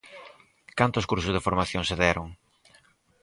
¿Cantos cursos de formación se deron?